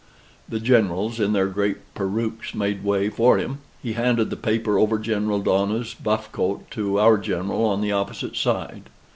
The generals in their great perukes made way for him. He handed the paper over General Dohna's buff coat to our General on the opposite side.